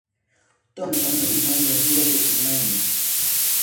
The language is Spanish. Thompson reside actualmente en Maine.